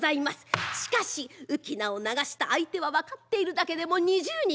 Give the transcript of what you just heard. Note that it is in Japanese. しかし浮き名を流した相手は分かっているだけでも２０人。